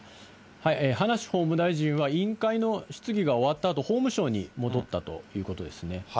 葉梨法務大臣は、委員会の質疑が終わったあと、法務省に戻ったということですね。